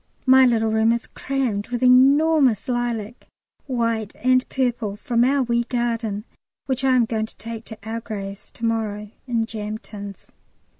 My little room is crammed with enormous lilac, white and purple, from our wee garden, which I am going to take to our graves to morrow in jam tins.